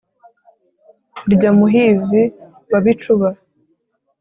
rya muhizi wa bicuba,